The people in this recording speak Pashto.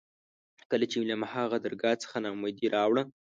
کله چې مې له هماغه درګاه څخه نا اميدي راوړه.